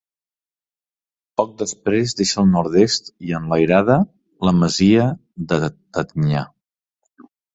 Poc després deixa al nord-est, i enlairada, la masia de Tantinyà.